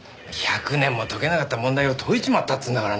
１００年も解けなかった問題を解いちまったっつうんだからな。